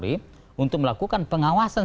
polri untuk melakukan pengawasan